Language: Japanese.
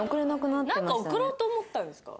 なんか送ろうと思ったんですか？